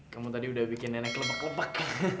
kamu tadi udah bikin nenek lepak lepak